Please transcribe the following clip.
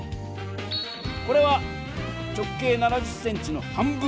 これは直径７０ｃｍの半分。